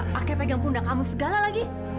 pakai pegang pundak kamu segala lagi